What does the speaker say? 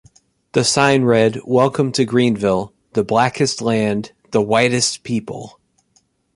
The sign read: Welcome to Greenville, The Blackest Land, The Whitest People.